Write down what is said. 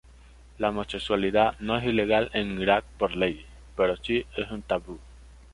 La homosexualidad no es ilegal en Irak por ley, pero si es un tabú.